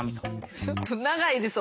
ちょっと長いです